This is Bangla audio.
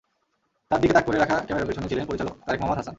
তাঁর দিকে তাক করে রাখা ক্যামেরার পেছনে ছিলেন পরিচালক তারিক মুহাম্মদ হাসান।